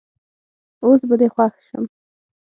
اوس به دي خوښ سم